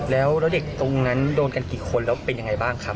แล้วเด็กตรงนั้นโดนกันกี่คนแล้วเป็นยังไงบ้างครับ